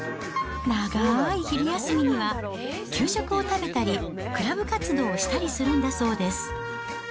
長ーい昼休みには給食を食べたり、クラブ活動をしたりするんだそうです。